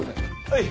はい。